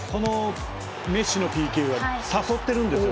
メッシのＰＫは誘っているんですよ。